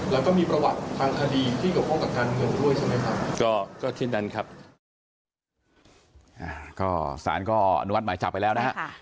แล้วก็มีประวัติทางคดีที่เกี่ยวข้องกับการเมืองด้วยใช่ไหมครับ